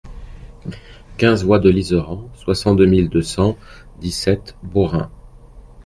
quinze voie de l'Iseran, soixante-deux mille deux cent dix-sept Beaurains